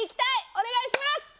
お願いします！